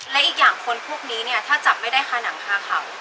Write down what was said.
และอีกอย่างคนพวกนี้เนี่ยถ้าจับไม่ได้ค่ะหนังคาเขา